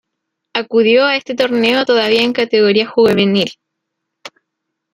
Acudió a este torneo todavía en categoría juvenil.